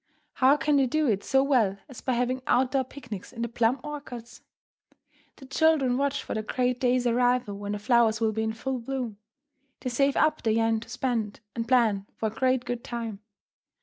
How can they do it so well as by having out door picnics in the plum orchards? The children watch for the great day's arrival when the flowers will be in full bloom. They save up their yen to spend, and plan for a great good time.